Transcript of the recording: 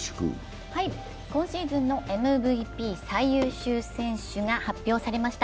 今シーズンのＭＶＰ最優秀選手が発表されました。